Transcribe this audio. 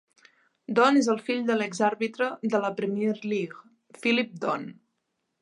Don és el fill de l'exàrbitre de la Premier League, Philip Don.